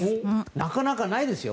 なかなかないですよ